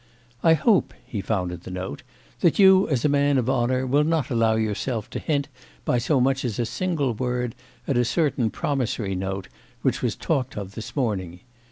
'I hope,' he found in the note, 'that you as a man of honour will not allow yourself to hint by so much as a single word at a certain promissory note which was talked of this morning.